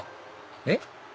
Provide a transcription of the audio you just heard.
えっ？